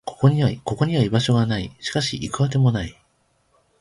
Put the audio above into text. ここには居場所がない。しかし、行く当てもない。